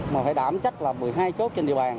mà phải đảm trách là một mươi hai chốt trên địa bàn